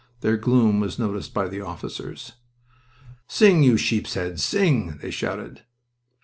Their gloom was noticed by the officers. "Sing, you sheeps' heads, sing!" they shouted.